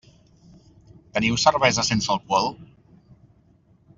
Teniu cervesa sense alcohol?